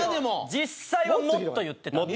実際はもっと言ってたって。